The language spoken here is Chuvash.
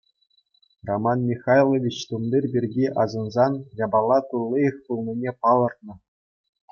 Роман Михайлович тумтир пирки асӑнсан япала туллиех пулнине палӑртнӑ.